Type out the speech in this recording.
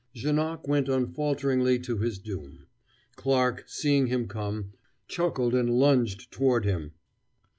Janoc went unfalteringly to his doom. Clarke, seeing him come, chuckled and lounged toward him.